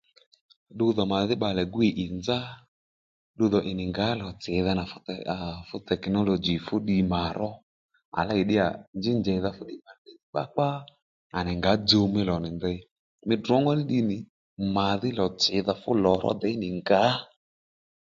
Ddudhò màdhí bbalè gwíy ì nzá ddudhò ì nì ngǎ lò tsìdha nà aa fú teknology fúddiy mà ró à lêy ddíyà njí njèydha fúddiy nà ddí nì kpákpá à nì ngǎ dzuw mí lò nì ndèy mí ddrǒngó nì ddiy nì mà dhí lò tsìdha fú lò ó děy nì ngǎ